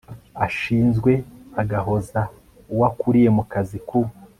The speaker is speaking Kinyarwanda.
ashinzwe agahoza uwo akuriye mu kazi ku